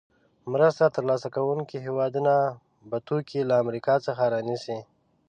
مرسته تر لاسه کوونکې هېوادونه به توکي له امریکا څخه رانیسي.